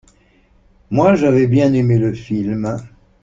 Moi j'avais bien aimé le film.